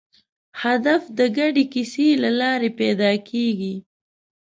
هدف د ګډې کیسې له لارې پیدا کېږي.